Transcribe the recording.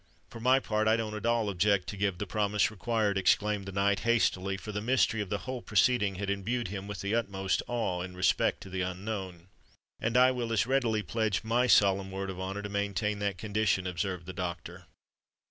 "For my part I don't at all object to give the promise required," exclaimed the knight hastily; for the mystery of the whole proceeding had imbued him with the utmost awe in respect to the unknown. "And I will as readily pledge my solemn word of honour to maintain that condition," observed the doctor.